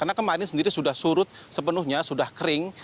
nah ini sendiri sudah surut sepenuhnya sudah kering